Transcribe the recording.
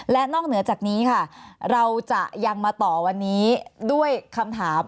และนอกเหนือจากนี้ค่ะเราจะยังมาต่อวันนี้ด้วยคำถาม